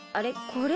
これ。